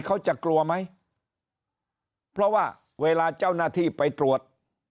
เขาจะกลัวไหมเพราะว่าเวลาเจ้าหน้าที่ไปตรวจ